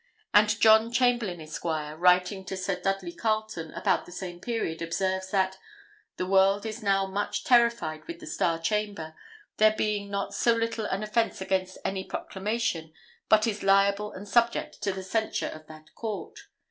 And John Chamberlain, Esq., writing to Sir Dudley Carlton, about the same period, observes, that "The world is now much terrified with the Star Chamber, there being not so little an offence against any proclamation, but is liable and subject to the censure of that court.